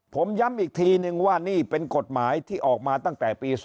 ผมย้ำอีกทีนึงว่านี่เป็นกฎหมายที่ออกมาตั้งแต่ปี๒๕